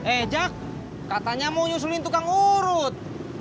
ejak katanya mau nyusulin tukang urut